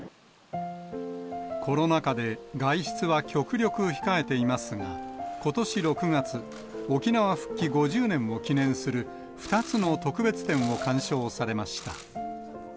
コロナ禍で、外出は極力控えていますが、ことし６月、沖縄復帰５０年を記念する２つの特別展を鑑賞されました。